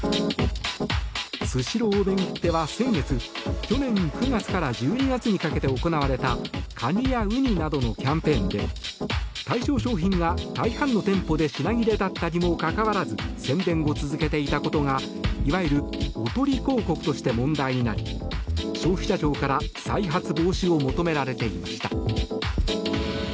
スシローを巡っては先月去年９月から１２月にかけて行われたカニやウニなどのキャンペーンで対象商品が大半の店舗で品切れだったにもかかわらず宣伝を続けていたことがいわゆるおとり広告として問題になり消費者庁から再発防止を求められていました。